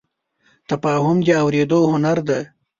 تفاهم د اورېدو هنر دی.